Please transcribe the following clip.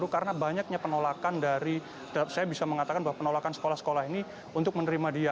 karena banyaknya penolakan dari saya bisa mengatakan bahwa penolakan sekolah sekolah ini untuk menerima dia